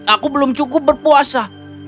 aku belum cukup berpuasa